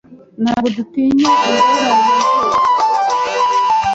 Ntabwo dutinya ingorane zose.